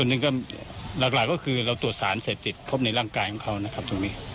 ส่วนหนึ่งหลักหลายคือตรวจสานเสพติตในร่างกายของเขา